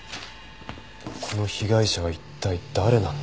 この被害者は一体誰なんだ？